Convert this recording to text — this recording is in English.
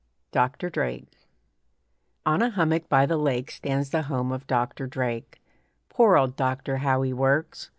DOCTOR DRAKE On a hummock by the lake Stands the home of Doctor Drake, Poor old doctor, how he works!